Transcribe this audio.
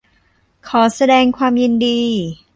ขอแสดงความยินดี